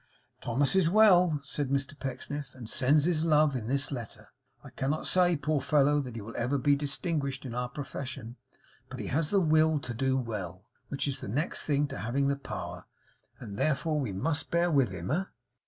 'Thomas is well,' said Mr Pecksniff; 'and sends his love and this letter. I cannot say, poor fellow, that he will ever be distinguished in our profession; but he has the will to do well, which is the next thing to having the power; and, therefore, we must bear with him. Eh?